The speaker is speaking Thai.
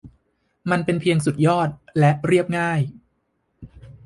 มันเป็นเพียงสุดยอดและเรียบง่าย